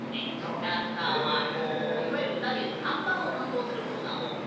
キャラクターは歌で言うと３番を担当することが多くて。